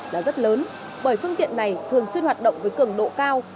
là rất lớn bởi phương tiện này thường xuyên hoạt động với cường độ cao